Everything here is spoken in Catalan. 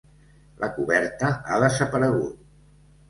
La coberta ha desaparegut.